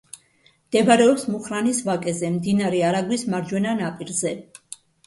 მდებარეობს მუხრანის ვაკეზე, მდინარე არაგვის მარჯვენა ნაპირზე.